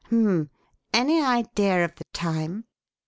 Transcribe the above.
"H'm! Any idea of the time?"